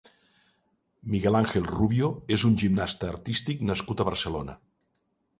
Miguel Ángel Rubio és un gimnasta artístic nascut a Barcelona.